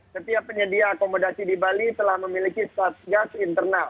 setiap penyedia akomodasi di bali telah memiliki satgas internal